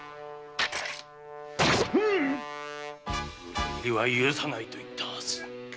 裏切りは許さないと言ったはず。